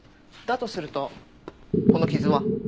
だとするとこの傷は？